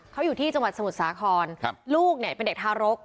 เขาอยู่ที่จังหวัดสมุทรสาครลูกเนี่ยเป็นเด็กทารก